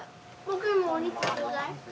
僕もお肉ちょうだい。